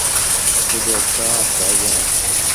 শুধু একটা, আর চাইবে না।